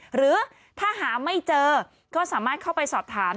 หรือถ้าหาไม่เจอก็สามารถเข้าไปสอบถาม